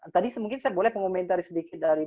tadi mungkin saya boleh mengomentari sedikit dari